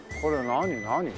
何？